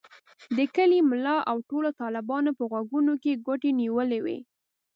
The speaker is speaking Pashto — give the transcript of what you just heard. د کلي ملا او ټولو طالبانو په غوږونو کې ګوتې نیولې وې.